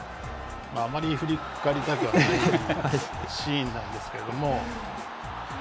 あまり振り返りたくはないシーンなんですけども。